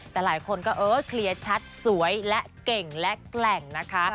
แต่หลายคนก็เออเคลียร์ชัดสวยและเก่งและแกร่งนะคะ